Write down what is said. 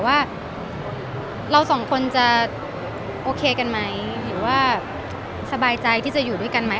ว่าเราสองคนจะโอเคกันไหมหรือว่าสบายใจที่จะอยู่ด้วยกันไหม